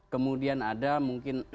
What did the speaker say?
kemudian ada mungkin